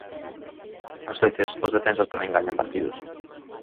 As veces, os defensas tamén gañan partidos.